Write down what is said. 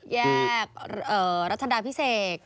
แยกรัชดาพิเศษ